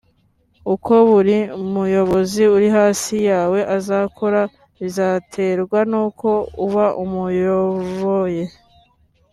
uko buri muyobozi uri hasi yawe azakora bizaterwa nuko uba umuyoboye